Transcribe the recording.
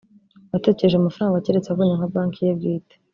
uwatekereje amafaranga keretse abonye nka Banki ye bwite